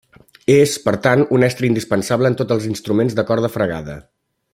És, per tant, un estri indispensable en tots els instruments de corda fregada.